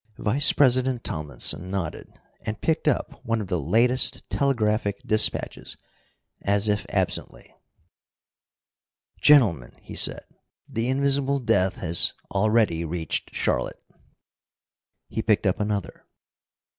Vice president Tomlinson nodded, and picked up one of the latest telegraphic dispatches, as if absently. "Gentlemen," he said, "the Invisible Death has already reached Charlotte." He picked up another.